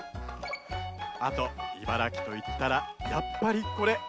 あと茨城といったらやっぱりこれ。